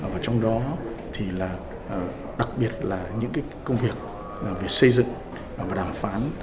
và trong đó thì là đặc biệt là những công việc về xây dựng và đàm phán